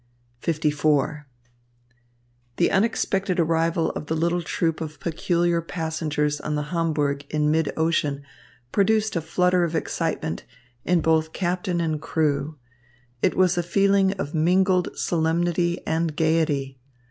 LIV The unexpected arrival of the little troupe of peculiar passengers on the Hamburg in mid ocean produced a flutter of excitement in both captain and crew. It was a feeling of mingled solemnity and gaiety.